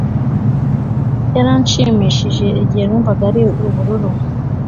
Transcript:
Yaranshimishije igihe numvaga ari ubururu